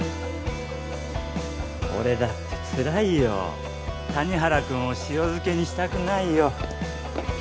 俺だってつらいよ谷原君を塩漬けにしたくないよ